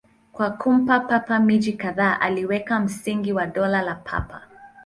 Kwa kumpa Papa miji kadhaa, aliweka msingi wa Dola la Papa.